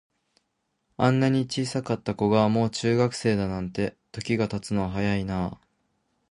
あんなに小さかった子が、もう中学生だなんて、時が経つのは早いなあ。